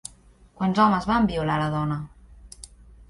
Quants homes van violar a la dona?